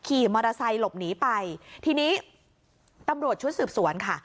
ขี่มอเตอร์ไซค์หลบหนีไปทีนี้ตำรวจชุดสืบสวนค่ะ